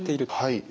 はい。